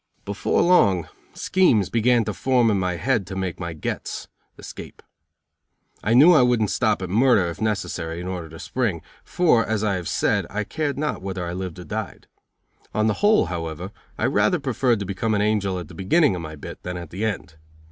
Before long schemes began to form in my head to make my gets (escape). I knew I wouldn't stop at murder, if necessary in order to spring; for, as I have said, I cared not whether I lived or died. On the whole, however, I rather preferred to become an angel at the beginning of my bit than at the end.